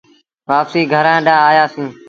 وآپسيٚ گھرآݩ ڏآنهن آيآ سيٚݩ۔